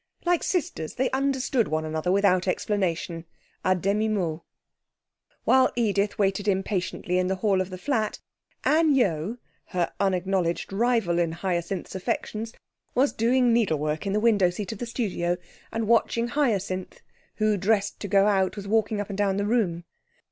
Like sisters, they understood one another without explanation à demi mot. While Edith waited impatiently in the hall of the flat, Anne Yeo, her unacknowledged rival in Hyacinth's affections, was doing needlework in the window seat of the studio, and watching Hyacinth, who, dressed to go out, was walking up and down the room.